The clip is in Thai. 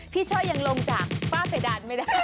พี่ช่อยยังลงจากฟ้าเศรษฐานไม่ได้